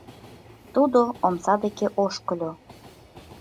Тудо омса деке ошкыльо.